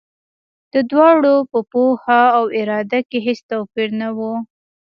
د دواړو په پوهه او اراده کې هېڅ توپیر نه و.